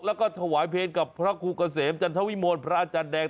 และถวายเพนกับพระคุกเศษฐ์จันทวิมูลพระอาจารย์แดง